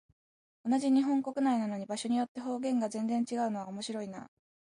同じ日本国内なのに、場所によって方言が全然違うのは面白いなあ。